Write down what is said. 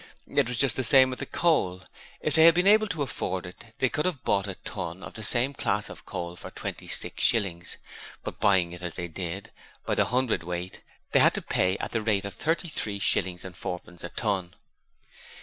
It was just the same with the coal: if they had been able to afford it, they could have bought a ton of the same class of coal for twenty six shillings, but buying it as they did, by the hundredweight, they had to pay at the rate of thirty three shillings and fourpence a ton.